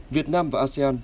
việt nam và asean